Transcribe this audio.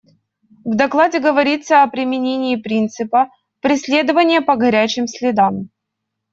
В докладе говорится о применении принципа «преследования по горячим следам».